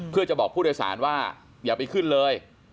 เพื่อจะบอกผู้โดยสารว่าอย่าไปขึ้นเลย